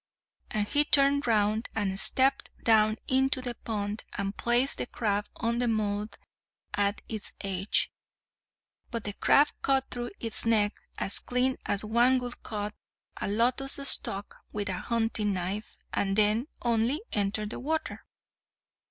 And he turned round and stepped down into the pond, and placed the crab on the mud at its edge. But the crab cut through its neck as clean as one would cut a lotus stalk with a hunting knife, and then only entered the water!